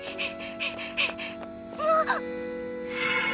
あっ！